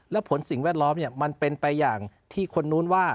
และผลสิ่งแวดล้อมมันเป็นไปอย่างที่คนนู้นว่า